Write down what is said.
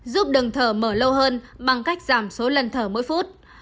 giúp đường thở mở lâu hơn bằng cách giảm số lần thở mỗi phút